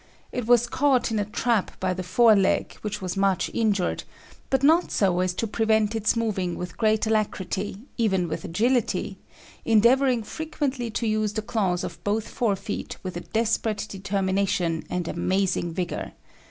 It was caught in a trap by the fore leg, which was much injured, but not so as to prevent its moving with great alacrity, even with agility, endeavouring frequently to use the claws of both fore feet with a desperate determination and amazing vigour.